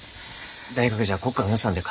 大学じゃ国家の予算で買えるろう。